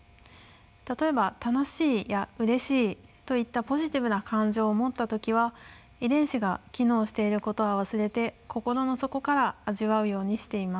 例えば「楽しい」や「うれしい」といったポジティブな感情を持った時は遺伝子が機能していることは忘れて心の底から味わうようにしています。